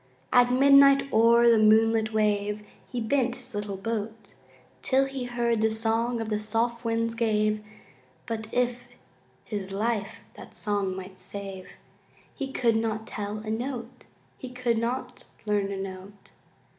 At midnight o'er the moonlit wave He bent his little boat, Till he heard the song the soft winds gave, But if his life that song might save, He could not tell a note! He could not learn a note!